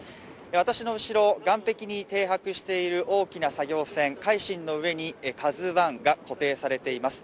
私の後ろ、岸壁に停泊している大きな作業船「海進」の上に「ＫＡＺＵⅠ」が固定されています。